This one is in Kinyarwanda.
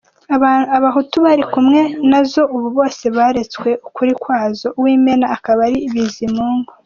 Abahutu bari kumwe nazo ubu bose beretswe ukuri kwazo, uw’imena akaba ari Bizimungu!